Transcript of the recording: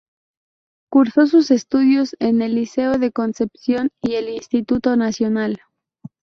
Cursó sus estudios en el liceo de Concepción y en el Instituto Nacional.